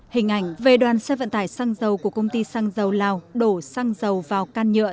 hình ảnh về đoàn xe vận tải xăng dầu của công ty xăng dầu lào đổ xăng dầu vào can nhựa